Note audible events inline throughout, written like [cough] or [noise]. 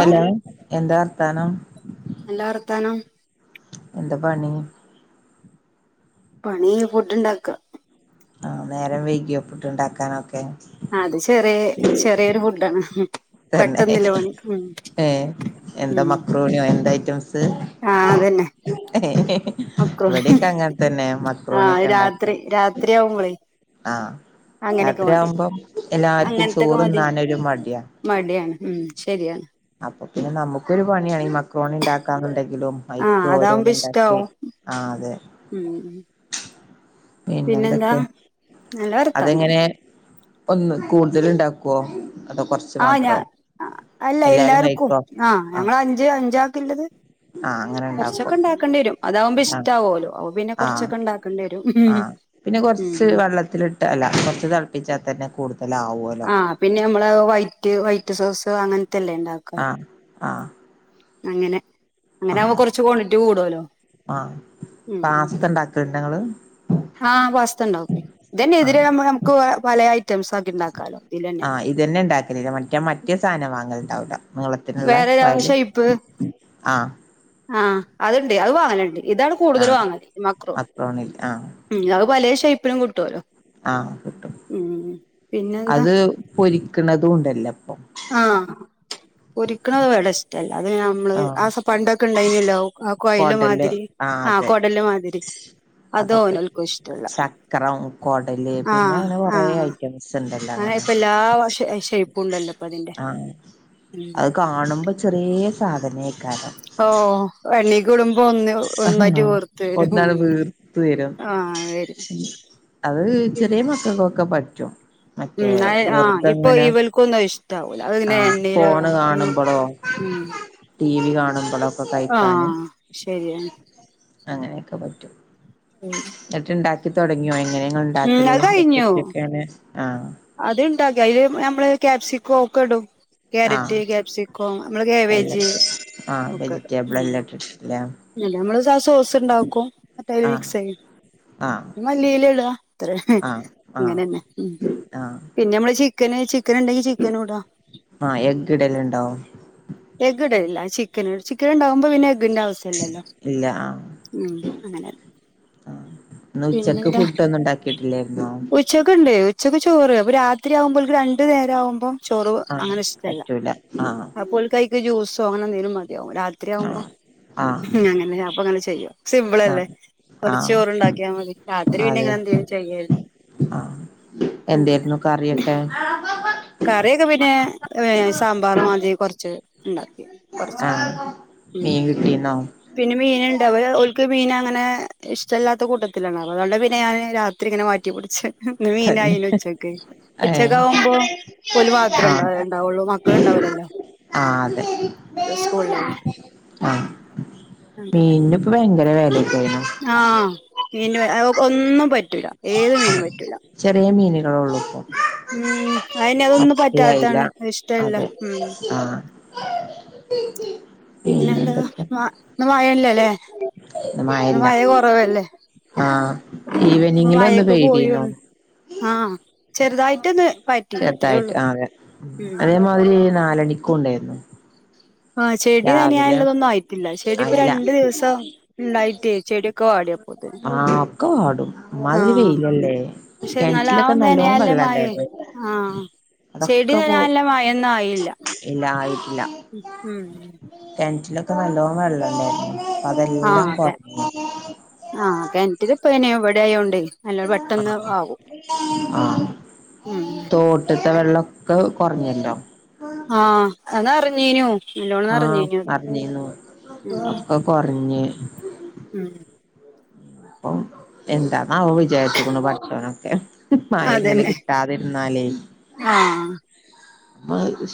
Hello എന്താ വർത്താനം നല്ല വർത്താനം എന്താ പണി പണി ഫുഡ് ഉണ്ടാക്കുക ആഹ് നേരം വൈകോ പുട്ട്ണ്ടാക്കാനൊക്കെ ആഹ് അത് ചെറിയ ചെറിയൊരു ഫുഡാണ് തന്നെ പെട്ടെന്നില്ല പണി ഉം ഏ എന്താ മക്രൂണിയോ എന്താ ഐറ്റംസ് ആഹ് അതന്നെ മക്രോണി ഇവിടെക്കെ അങ്ങനെ തന്നെ ആ മക്റോണിക്കെ ഇണ്ടാക്ക രാത്രി രാത്രി ആവുമ്പോളേ ആഹ് അങ്ങനെയൊക്കെ മതി രാത്രരിയാവുമ്പോം എല്ലാവർക്കും അങ്ങനത്തൊക്കെ ചോറും മതി നാനരു മടിയാ മടിയാണ് ഉം ശരിയാണ് അപ്പൊ പിന്നെ നമുക്കൊരു പണിയാണ് ഈ മക്രോണ ഉണ്ടാക്കാന്നുണ്ടെങ്കിലും ആ മൈക്ക് അതാവുമ്പോ ഓരോന്ന ഉണ്ടാക്കി ഇഷ്ടാവും ആഹ് അതെ ഉം പിന്നെന്താ പിന്നെന്തൊക്കെ നല്ല വർത്താനം അതെങ്ങനെ ഒന്ന് കൂടുതൽ ഉണ്ടാക്കുവോ അത കൊറച്ച് ആ മാത്ര അല്ല എല്ലാർക്കും ആഹ് ഞങ്ങ അഞ്ച് അഞ്ച് ആക്കുള്ളത് ആഹ് അങ്ങനെ കുറച്ചൊക്കെ ഉണ്ടാക്കും ഉണ്ടാക്കേണ്ടി വരും അതാകുമ്പോ ആഹ് ഇഷ്ടാവല്ലോ അവ പിന്നെ ആഹ് കൊറച്ചൊക്കെ ഉണ്ടാക്കേണ്ടി വരും ആഹ് പിന്നെ കുറച്ച് ഉം വെള്ളത്തിിട്ട അല്ല കുറച്ച് തിളപ്പിച്ചാൽ തന്നെ കൂടുതലാകും ആഹ് പിന്നെ നമ്മള് വൈറ്റ് വൈറ്റ് സോസ് അങ്ങനത്തെല്ലേ ഉണ്ടകും ആഹ് അങ്ങനെ അങ്ങനെ അവ ആഹ് കുറച്ച് ക്വാണ്ടിറ്റി കൂടല്ലോ ഉം ണങ്ങള് ആഹ് വസ്തു ഉണ്ട ഓക്കെ ഇതന്നെ എതിരെ ആഹ് നമുക്ക് പല ഐറ്റംസ ഒക്കെ ഉണ്ടാക്കാലോ ഇതിൽ തന്നെ ആഹ് ഇത് തന്നെ ഉണ്ടാക്കലില്ല മറ്റേ മറ്റേ സാധനം വാങ്ങല ഉണ്ടാവൂട്ട മളത്തിനുള്ള വേറെ വല് ഷേപ്പ് ആഹ് ആഹ് അത്ണ്ട് അത് വാങ്ങലുണ്ട് ഇതാണ് കൂടുതൽ ആഹ് വാങ്ങല് ഈ മക്രോന് മക്രോണിൽ ആഹ് ഉം അത് പലേ ഷ്പപ്പിലും കിട്ടുവല്ലോ ആഹ് കിട്ടും ഉം പിന്നെന്താ അത് പൊരിക്കണതും ഉണ്ടല്ലപ്പൊ ആഹ് പൊരിക്കണ വേടെ അല്ലാതും നമ്മള് ആഹ് പണ്ടൊക്കെ ഉണ്ടായിനല്ല ആഹ് കൊയില് കോടല് മാതിരി ആഹ് അതെ കൊടല് മാതിരി അതോ അതൊക്കെ ഓല്ക്കും ഇഷ്ടല്ല ചക്രം കൊടല് പിന്നെ ആഹ് അങ്ങനെ കൊറേ ആഹ് ഐറ്റം ല്ല അങ്ങനെ ഇപ്പ എല്ലാ ഷെ ഷേയ്പ്പും ഉണ്ടല്ലോ ഇപ്പ അതിന്റെ ആഹ് അത് ഉം കാണുമ്പോ ചെറിയ സാധനേക്കാെ ഓഹ് പണി കൂടുമ്പോ ഒന്ന് ഒന്നട്ട് ഓർത്ത് വരും ഒന്നാണ് വീർത്ത് വരും ആഹ വരും അത് ചെറിയ മക്കക്കൊക്കെ പറ്റും. മറ്റേ ഉം അ ആഹ് ഇപ്പൊ വെറുതെങ്ങനെ ഇവൽക്കൊന്നും അയ് ഇഷ്ടാവൂല. അങ്ങനെ ആഹ് ഫോണ് എണ്ണീലും അതി കാണുമ്പളോ ഉം ടി വി കാണുമ്പളും ആഹ് ശരിയ അങ്ങനയൊക്കെ പറ്റും [unintelligible] ഉചേൽത്തെ ഇണ്ടാക്കി തുടങ്ങിയോ? എങ്ങനേണ് ഉം ഉണ്ടാക്കല്? അത് കഴിഞ്ഞു എപ്പഴത്തേക്ക് ആണ്? ആഹ് അത് ഇണ്ടാക്കി അയില് നമ്മള് ക്യാപ്സകം ഒക്ക ഇടും. ആഹ് ക്യാരറ്റ് ക്യാപ്സിക്കോം മ്മടെ ക്യാബേജ് എല്ലട്ട് ആഹ് വെജിറ്റേബിൾ എല്ലാം ഇട്ടട്ടില്ലേ എന്നിട്ടമ്മള് സോസ് ഉണ്ടാക്കും മറ്റതില് ആഹ് മിക്സ് ചെയ്യും. ആഹ് മല്ലിയില ഇടാ അത്ര ആഹ് ആഹ് അങ്ങനെതന്നെ ഉം ആഹ് പിന്നെ നമ്മടെ ചിക്കന് ചിക്കൻ ഇണ്ടെങ്കി ചിക്കനൂടാ. ആഹ് എഗ് ഇടലുണ്ടോ എഗ് ഇടലില്ല ചിക്കന് ചിക്കന് ഇണ്ടാവുമ്പോ പിന്നെ എഗിന്റെ ആവസ്യ ഇല്ല ഉം അങ്ങനെ ഇന്നുച്ചക്ക് ഫുഡോന്നും ഉണ്ടാക്കിട്ടില്ലേയിരുന്നോ? ഉച്ചക്ക് ഇണ്ട്. ഉച്ചക്ക് ചോറ് അപ്പൊ രാത്രിയാവുമ്പോൾക്ക് രണ്ട് നേരം ആവുമ്പോ ചോറു ആഹ് അങ്ങനെ ഇഷ്ടല്ല. പറ്റൂല ആഹ് [unintelligible] പുൽ കൈക്ക് ജ്യൂസോ അങ്ങനെ എന്തെങ്കിലും മതിയാവു. രാത്രിയാവുമ്പോ ആഹ് ആഹ് ഹും അങ്ങനെ അപ്പ അങ്ങനെ ചെയ്യും. സിമ്പിളല്ലേ ആഹ് കുറച് ആഹ് ചോറുണ്ടാക്കിയാ മതി. രാത്രി പിന്നെ അതെ ഇങ്ങനെ എന്തെങ്കിലും ചെയ്യരുന്നു. ആഹ് എന്തേയിരുന്നു കറിയൊക്കെ? കറിയൊക്കെ പിന്നെ വേ സാമ്പാറും മതിം കുറച്ച് ഉണ്ടാക്കി. കുറച്ച് ആഹ് ഉം മീൻ കിട്ടീര്ന്നോ? പിന്നെ മീൻണ്ട് അവര് ഓൾക്ക് മീൻ അങ്ങനെ ഇഷ്ടല്ലാത്ത കൂട്ടത്തിലാണ്. അപ്പ അതോണ്ട് പിന്നെ ഞാന് രാ ഇത്രങ്ങനെ മാറ്റിപുടിച്ച് ഇന്ന് തന്നെ മീനായിന് ഉച്ചക്ക്. ഏഹ് ഉച്ചക്ക് ആവുമ്പോ ഓല് ആഹ് മാത്രേണ്ടാവൂ ഇണ്ടാവുള്ളു മക്കള് ഇണ്ടാവൂലല്ലോ ആഹ് അതെ സ്കൂൾലല്ലേ മീൻന് ഇപ്പ ഭയങ്കര വെലയ്ക്കയ്ന്. ആഹ് മീൻന് വെല ഒന്നും പറ്റൂല ഏത് മീനും പറ്റൂല. ചെറിയ മീനുകളൊള്ളൂ ഇപ്പൊ. ഉം അയനെ അതൊന്നും മത്തി അയില പറ്റാത്തതാണ് ഇഷ്ടല്ല അതെ ഉം ആഹ് [unintelligible] പിന്നെന്താ പിന്നെന്തൊക്കെ മ ഇന്ന് മഴല്ലല്ലേ ഇന്ന് മഴ കൊറവല്ലേ ആഹ് അപ്പൊ ഈവനിങ്ങില് ഒന്ന് മഴയൊക്കെ പെയ്തേനു. പോയോണ് ആഹ് ചെറുതായിട്ടൊന്ന് പാറ്റി അത്രേ ചെറുതായിട്ട് ഉള്ളൂ ആഹ് അതെ. ഉം അതേമാതിരി നാലണിക്കൂണ്ടായിരുന്നു. ആഹ് ചെടി നനയാൻലതൊന്നും ആയിട്ടില്ല. ചെടി ആഹ് ഇപ്പൊ ഇല്ല രണ്ടു ദിവസം ഉണ്ടായിട്ടേ ചെടിയൊക്കെ വാടിയ ആഹ് ഒക്കെ വാടും. അമ്മാതിരി ആഹ് വെയിലല്ലേ? പക്ഷെ എന്നാലും ആ കെണറ്റിലൊക്കെ നല്ലോം നനയാല്ലെ വെള്ളം മഴെയ് ഉണ്ടായിരുന്നു ആഹ്. ചെടി അതൊക്കെ പോ നനയാല്ല്ല മഴൊന്നായില്ല. ഇല്ല ആയില്ല. ഉം കെണറ്റിലൊക്കെ നല്ലോണം വെള്ളം ഉണ്ടായിരുന്നു. ഇപ്പ ആഹ് അതെല്ലാം അതെ കൊറഞ്ഞു. ആഹ് കെണറ്റിലിപ്പയ്ന ഇവിടെ ആയോണ്ടെയ്. ആഹ് ആഹ് ഉം തോട്ടത്തെ വെള്ളൊക്കെ കൊറഞ്ഞല്ലോ ആഹ് ഞാൻ അറിഞ്ഞിനു. ആഹ് പറഞ്ഞിന്നു ഉം ഒക്കെ കൊറഞ്ഞ്. ഉം അപ്പ എന്താണാവോ വിചാരിച്ച്ക്ക്ണെ പടച്ചോനൊക്കെ. മഴ ഇങ്ങനെ അതന്നെ കിട്ടാതിരുന്നാലേ. ആഹ്.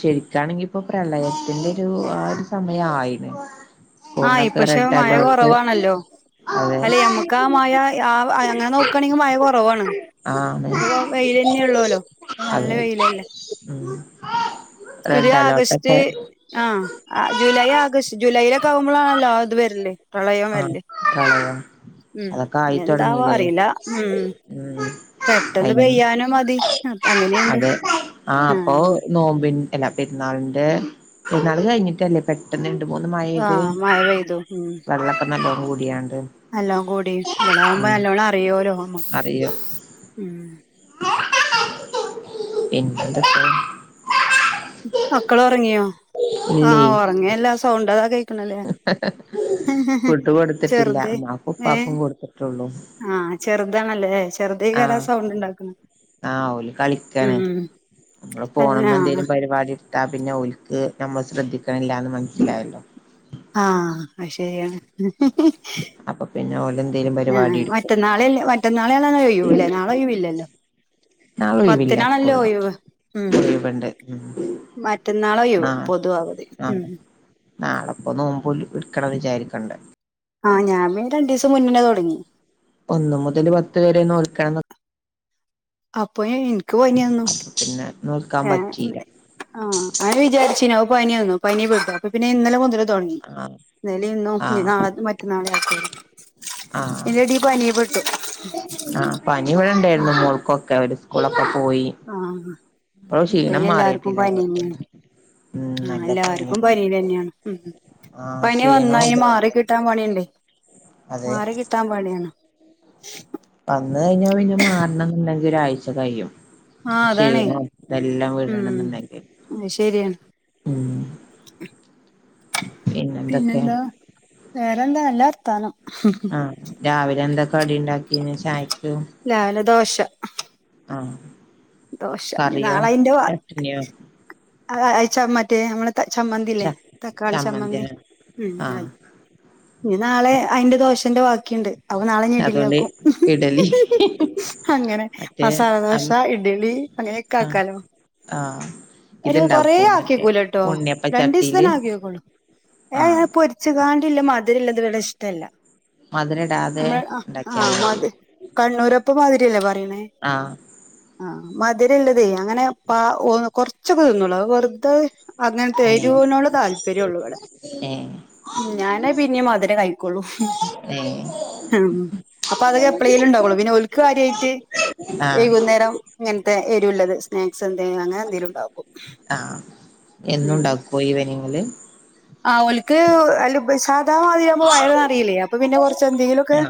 ശരിക്കാണെങ്കി ഇപ്പൊ പ്രളയത്തിന്റെ ഒരു ആഹ് ഒരു സമയാ ആയിണ്. ആയി സ്കൂളിനൊക്കെ പക്ഷെ റെഡ് മഴ അലേർട്ട് കുറവാണല്ലോ? അതെ അല്ലെ നമ്മക്ക് ആഹ് മഴ അങ്ങനെ നോക്കാണെങ്കിൽ മഴ കൊറവാണ്. ആണ് ഇപ്പ വെയിലെന്നെ ഉള്ളൂല്ലോ നല്ല അതെ വെയിലല്ലേ? ഉം. ഒരു റെഡ് ആഗസ്റ്റ് അലോട്ടൊക്കെ ആഹ് ജൂലൈ ആഗസ്റ്റ് ജൂലൈയിലൊക്കെ ആകുമ്പോളാണല്ലോ അത് വരല്. പ്രളയം ആഹ് വരല്. പ്രളയം. ഉം അതൊക്കെ എന്താവോ ആയിത്തൊടങ്ങില്ലേ അറില്ല ഉം. ഉം പെട്ടന്ന് അയിന് പെയ്യാനും മതി അങ്ങനിണ്ട് അതെ ആഹ്. അപ്പൊ നോമ്പിന്റെ അല്ല പെരുന്നാളിന്റെ പെരുന്നാള് കഴിഞ്ഞിട്ടല്ലേ പെ പെട്ടെന്ന് രണ്ട് മൂന്ന് മഴ പെയ്തെ ആഹ് മഴ പെയ്തു വെള്ളം ഒക്കെ നല്ലോം കൂടിയാണ്ട്. നല്ലോം കൂടി ഇവിടെ ആകുമ്പോ ഉം നല്ലോണം അറിയുല്ലോ നമ്മക്ക് അറിയും ഉം. [unintelligible] മക്കള് ഉറങ്ങിയോ ഇല്ലേ ആഹ് ഉറങ്ങിയില്ല സൗണ്ട് അതാ കേക്ക്ണ്. ഫുഡ് കൊടുത്തിട്ടില്ല ചെറുത് ഉമ്മാക്കും ഏഹ് ഉപ്പാക്കും കൊടുത്തിട്ടൊള്ളൂ. ആഹ് ചെറുതാണല്ലേ ചെറുതേകാരും ആഹ് സൗണ്ട് ഇണ്ടാക്കുന്നെ. ആഹ് ഓല് കളിക്കാന് ഓല് അല്ല ഫോണുമെ ആ ന്തേലും പരി പരിപാടിയെടുത്താ പിന്നെ ഓല്ക്ക് നമ്മള് ശ്രദ്ധിക്കണില്ലാന്ന് മനസ്സിലായല്ലോ? ആഹ് അത് ശരിയാണ്. അപ്പൊ പിന്നെ ഓല് എന്തേലും പരിപാടി ഇട്ക്കും. മറ്റന്നാളലേ മറ്റന്നാളേണലോ ഒയിവ് നാളെ ഒയിവില്ലല്ലോ? നാളെ ഒഴിവില്ല പത്തിനാണല്ലോ സ്കൂളിന് ഒയിവ്. ഉം ഒഴിവുണ്ട് ഉം മറ്റന്നാളെ ഒഴിവ് പൊതു അവധി ഉം. നാളെ ഇപ്പൊ നോമ്പ് നോൽക്കണന്ന് വിചാരിക്കണ്ട്. ആഹ് ഞാൻ പിന്നെ രണ്ടു ദിവസം മുന്നനേ തുടങ്ങി. ഒന്നു മുതൽ പത്ത് വരെ നോൽക്കണം എന്നൊക്കെ. അപ്പൊ എനിക്ക് പനിയ് വന്ന്. പിന്നെ നോൽക്കാൻ പറ്റിയില്ല. ആഹ് അങ്ങനെ വിചാരിച്ചിനു പനി വന്നു പനി പെട്ടു അപ്പ പിന്നെ ഇന്നലെ മുതല് തുടങ്ങി ആഹ് ഇന്നലെ ഇന്നും ഇനി ആഹ് നാളെ മറ്റന്നാളെ ആക്കാ കരുതി. ആഹ് അയിന്റെ ഇടയിൽ പനീപ്പെട്ടു. ആഹ് പനിയിവിടെ ഉണ്ടായിരുന്നു മോൾക്കൊക്കെ അവരെ സ്കൂളൊക്കെ പോയി. ആഹ് ഇപ്പളും ക്ഷീണം ഇപ്പയിന് എല്ലാർക്കും മാറിയിട്ടില്ല പനിയ് ഓൾക്ക് തന്നെയാണ്. ഉം ആഹ് നല്ല എല്ലാർക്കും പനിയാണ് പനി തന്നെയാണ് ഉം. ആഹ് പനി വന്നാൽ ഈ ക്ഷീണോണ്ട് മാറി നല്ല കിട്ടാൻ പണിയല്ലേ. അതെ. ട്ടാ പണിയാണ്. വന്ന് കഴിഞ്ഞാൽ പിന്നെ മാറണം എന്നുണ്ടെങ്കിൽ ഒരാഴ്ച കഴിയും. ആ അതാണേ ക്ഷീണം ഇതെല്ലാം വിടണം ഉം എന്നു ണ്ടെങ്കില്. അത് ശരിയാണ് ഉം. പിന്നെന്തൊക്കെ പിന്നെന്താ വേറെന്താ നല്ല വർത്താനം. രാവിലെ എന്താ കടി ഉണ്ടാക്കിനെ ചായക്ക്. രാവിലെ ദോശ. ആഹ് ദോശ ഇനി കറിയോ ചട്ടിണിയോ? ആ അച്ചമ്മറ്റേ നമ്മളെ ചമ്മന്തില്ലേ ച തക്കാളി ചമ്മന്തി ചമ്മന്തിയോ ഉം ആഹ് അത് ഇനി നാളെ അയിന്റെ ദോഷന്റെ ബാക്കിയുണ്ട് അപ്പോ നാളെ ഇടലി അതുകൊണ്ട് ആക്കും ഹ് ഇഡലി ഹ് അങ്ങനെ മറ്റേ മസാലദോശ ആഹ് ഇഡലി അങ്ങനെയൊക്കെ ആക്കാലോ. ആഹ് ഒരു കൊറ ഇത്ണ്ടാക്കോ മറ്റേ ആക്കിക്കൂലട്ടോ ഉണ്ണിയപ്പ രണ്ട് ദിവസം ചട്ടീല് തന്നെ ആക്കിക്കോളൂ ആഹ് ഏ പൊരി രിച്ച്കാണ്ടല്ലെ മധുരല്ലത് വടെ ഇഷ്ടല്ല മധുരടാതെ നമ്മള് ആഹ ഇണ്ടാക്കിയാ അഹ മതി മധ് കണ്ണൂരപ്പ മാതിരിയല്ലേ പറയണേ ആഹ് ആ മധുരംല്ലതെ അങ്ങനെ പ കൊറച്ചൊക്കെ തിന്നുള്ളു വെറുതെ അങ്ങനെ എരുനോടെ ഏഹ് താല്പര്യം ഉള്ളു വിടെ ഞാന ഏഹ് പിന്നെയും മധുരം കഴിക്ക കുള്ളു മ്ഹ് ഉം ഉ അപ്പൊ അതൊക്കെ എപ്ലെങ്കിൽ ഉണ്ടാവുള്ളൂ പിന്നെ ഒൽക്ക് കാര്യയിട്ട് ആഹ് വൈകുന്നേരം. ഇങ്ങനത്തെ ഏരുള്ളത് സ്നാക്സ് എന്തേ അങ്ങനെ എന്തെങ്കിലും ഉണ്ടാവും. ആ എന്നുംണ്ടാക്കോ ഇവനിങ്ങല്? ആ ഒൽക്ക് അല്ല സാധാരണ മതിരിയാവുമ്പോ വയറ് ആഹ് നിറയൂലെ അപ്പൊ പിന്നെ കൊറച്ച് എന്തെങ്കിലുക്കെ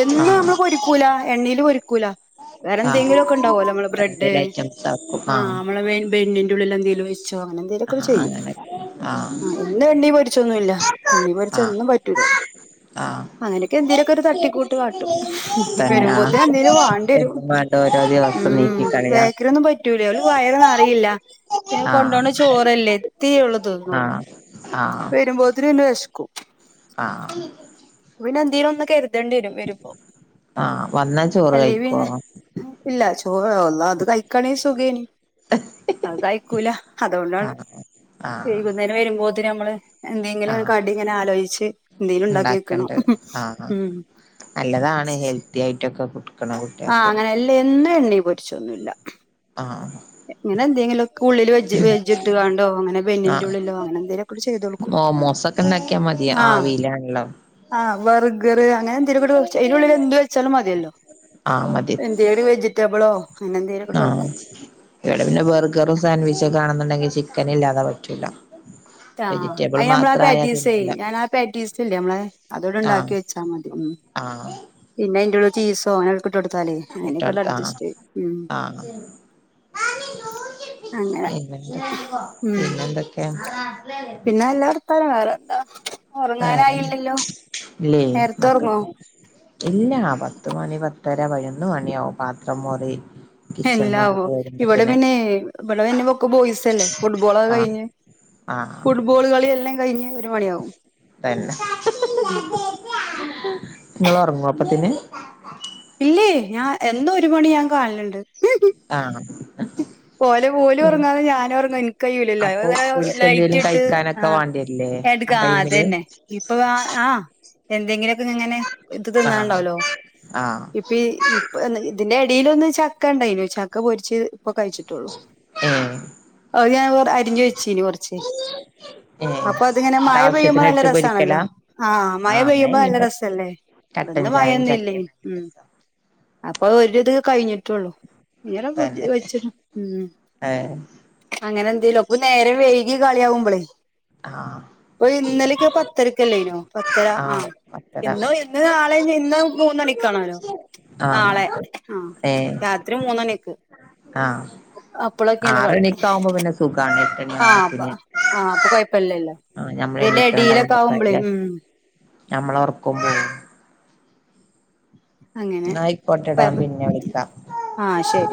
എന്നും ആഹ് നമ്മള് പൊരിക്കൂല എണ്ണൽ പൊരിക്കൂല. വേറെ ആഹ് എന്തെങ്കിലും ഒക്കെ ഉണ്ടാവോ ലോ നമ്മള് വേറെ ബ്രെഡ് എന്തേലും ഐറ്റംസ് ആക്കും ആഹ് നമ്മള ബെന്നിന്റെ ഉള്ളിൽ എന്തെങ്കിലും വെച്ചോ അങ്ങനെന്തെങ്കലൊക്കെ ആഹ് ചെയ്യും. അങ്ങനെ ആഹ് പിന്നെ എണ്ണീ പൊരിച്ചൊന്നുല്ല എണ്ണീ പൊരിച്ചെ ആഹ് എന്നും പറ്റൂല്ല. ആഹ് അങ്ങനെയൊക്കെ എന്തേലൊക്കെ ഒരു തട്ടിക്കൂട്ട് കാട്ടും. തന്നെ വരുമ്പോതെ ആഹ് എന്തേങ്കിലു ഒക്കെ വാണ്ടി വരും എന്നും വേണ്ട ഓരോ ദിവസം ഉം നീക്കി കളയാം ബേക്കറിന്നും പറ്റ പറ്റുല വയറ് നിറയില്ല പിന്നെ കൊണ്ടോണ ആഹ് ചോറല്ലേ ഇത്തിരി തിന്നുള്ളു. ആഹ് ആഹ് വരുമ്പോത്തിന്ന് പിന്നെ വെഷക്കും. ആഹ് പിനെ എന്തേങ്കിലും ഒന്നൊ കരുതേണ്ടി വരും വരുമ്പോ. ആഹ് വന്നാ ചോ അല്ല പിന്നെ ഇല്ല ചോല്ലാം അത് കഴിക്കണേ സുഖേനി. അത് ഴക്കൂല അതുകൊണ്ടാണ് ആഹ് ചെയ ആഹ് വൈനേരം വരുമ്പോത്തന് നമ്മള് എന്തെങ്കിലും ആഹ് കടി ഇങ്ങനെ ആലോചച്ച് എന്തെങ്കിലും ഉണ്ടാക്കി വെക്കണം ക്കണ്ട് ആ ഉം നല്ലതാണ് ഹെൽത്തി ആയിട്ടൊക്കെ കൊടുക്ക ആഹ് അങ്ങനെ അല്ല എന്നും എണ്ണീ പൊരിച്ചൊന്നുല്ല. ആഹ് ആ ഇങ്ങനെന്തങ്കിലൊക്ക ഉള്ളി വെച്ച്ട്ട് ക്കാണ്ടേ ബന്നി ലോ ഇങ്ങനെന്തങ്കിലോക്കെ, ആഹ് ഉള്ളിലോ അങ്ങന എന്തെങ്കിലൊക്കെ ചെയ്ത കൊടുക്കും. മോമോസൊക്കെ ഉണ്ടാക്കിയാ മതിയ ആവിയിലാണല്ലോ. ആ ബർഗർ അങ്ങനെ എന്തെ അതിനന്റെുള്ളിൽ എരുവുള്ള എന്ത് വെച്ചാലും മതിയല്ലോ. ആഹ് മതി എന്തലും വെജിറ്റബിളോ അങ്ങനെ ആഹ് എന്തെിലുംക്കവെക്കും. ഇവിടെ പിന്നെ ബർഗറോ സാൻവിച്ചോ കാണുന്നുണ്ടെങ്കിൽ ചിക്കന ഇല്ലാതെ പറ്റില്ല. ആ അനമ്മള ആ പാറ്റീസ തിന്നൂല ഞാൻ ആ പാറ്റീസല്ലേ നമ്മളെ അതോട് ഉണ്ടാക്കി ആഹ് വെച്ചാ മതി. ആഹ് പിന്നെ എയിന്റെള്ളിചീസോ ട്ട്കൊടുത്താലേ അങ്ങനെയൊക്കെല് ഇട്ടോട്ത്ത് ആഹ് അഡ്ജസ്റ്റ് ചെയ്യു ആഹ് അങ്ങനെ പിന്നെന്താ ഉം [unintelligible] പിന്നെ നല്ല വർത്താനം വേറെ എന്താ വേറെ ഉറങ്ങാനായില്ലല്ലോ ഇല്ലേ നേരത്തെ ഉറങ്ങോ? മക്കക്ക് ഇല്ല പത്തുമണി പത്തര പഴന്ന് മണിയാവും പാത്രം മോറി എല്ലാ കിച്ചണിന്നൊന്ന് ഇവിടെ കേറുമ്പത്തിന് പിന്നെ ഇവിടെ പിന്നെ ഒക്കെ ബോയ്സ്ല്ലേ ഫുട്ബോളേ ക്കെ ആഹ് കഴിഞ്ഞ്. ആഹ് ഫുട്ബോള് കളി എല്ലാം കഴിഞ്ഞ് ഒരു മണിയാവും. ന്നെ ഉം നിങ്ങള് ഉറങ്ങുവോ അപ്പത്തിന്. ഇല്ലേ ഞാൻ എന്നും ഒരു മണി ഞാൻ കാണല്ണ്ട്. ആഹ് പോലെ പോലും ഉറങ്ങാതെ ഞാനും ഉറങ്ങും എനക്ക് കയിലല്ലോ അങ്ങനെ ലൈറ്റ് ഇട്ട് ആ ക്കവാണ്ടില്ലേ ആ ടൈമില് ഇപ്പൊംവ ആ എന്തെങ്കിലുക്കെ ഇങ്ങനെ. ആഹ് ആഹ്. ഇപ്പി ഇപ്പ ഇതിന്റെ ഇടയിലെന്ന് ചക്ക ഉണ്ടായിനു ചക്ക പൊരിച്ച് ഇപ്പൊ കഴിച്ചിട്ടുള്ളൂ. ഏഹ് അത് ഞാൻ അരിഞ്ഞ് വെച്ചീനി കുറച്ച്. ഏഹ് അപ്പൊ അതിങ്ങനെ ന്നിട്ട് മയ പെയ്യുമ്പോ ആവശ്യത്തിന് നല്ല എടുത്ത് പൊരിക്കലാ രസമാണല്ലോ ആഹ് മയ പെയ്യുമ്പോ നല്ല രസല്ലേ. കട്ടൻ അന്ന് ചായയും ചക്കയും മയന്ന്ല്ലയ്നി നല്ല ഉം രസാ അപ്പൊ ഒരിത് കഴിഞ്ഞിട്ടുള്ളു. തന്നെ [unintelligible] വെച്ചിണ് ഉം ഏഹ് അങ്ങനെ എന്തേലും അപ്പൊ നേരം വൈകി കളിയാവുമ്പോളെ. ആഹ് ഒരു ഇന്നലേക്ക് പത്തരക്കല്ലേനോ പത്തര ആഹ് ഇന്നോ ഇന്ന് നാളെ ഇന്ന് മൂന്ന് മണി ണല്ലോ ആഹ് നാളെ ആഹ് ഏഹ് രാത്രി മൂന്നണിക്ക്. ആഹ് അപ്പളൊക്കെയാണ് കളി ആറണിക്ക ആവുമ്പോ പിന്നെ സുഖാണ് എട്ടണി ആഹ് അപ്പ ആവുമ്പോത്തിന്. ആഹ് അപ്പൊ കൊഴപ്പല്ലല്ലോ ആഹ് ഞമ്മൾ ഇതിന്റെ എണീക്കാ എടീലൊക്കെ ആവുമ്പളേ [unintelligible] ഉം ഞമ്മള ഉറക്കുമ്പോം അങ്ങനെ നായിക്കോട്ടട പിന്നെ വിളിക്കാം. ആഹ് ശരി